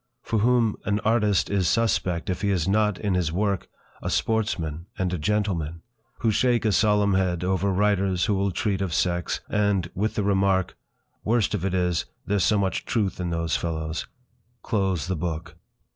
For whom an artist is 'suspect' if he is not, in his work, a sportsman and a gentleman? Who shake a solemn head over writers who will treat of sex; and, with the remark: "Worst of it is, there's so much truth in those fellows!" close the book.